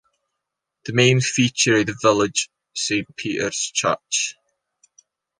The main feature of the village Saint Peter's church.